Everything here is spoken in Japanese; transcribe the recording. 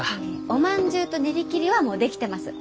おまんじゅうと練り切りはもう出来てます。